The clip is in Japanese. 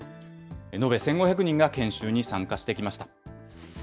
延べ１５００人が研修に参加してきました。